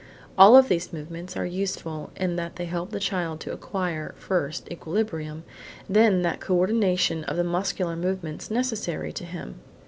All of these movements are useful in that they help the child to acquire, first, equilibrium, then that co ordination of the muscular movements necessary to him.